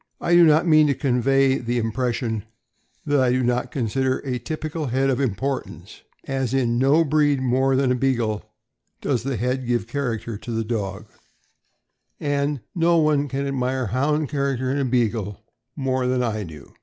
I do not mean to convey the impression that I do not consider a typical head of importance, as in no breed more than in a Beagle does the head give character to the dog; 19 290 THE AMERICAN BOOK OF THE DOG. and no one can admire Hound character in a Beagle more than I do.